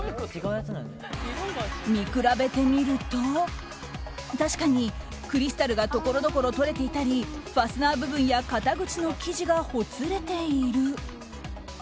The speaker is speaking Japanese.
見比べてみると確かにクリスタルがところどころ取れていたりファスナー部分や肩口の生地がほつれている。